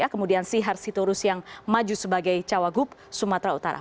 kemudian sihar sitorus yang maju sebagai cawagup sumatera utara